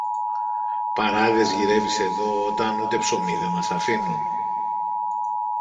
Παράδες γυρεύεις εδώ, όταν ούτε ψωμί δεν μας αφήνουν;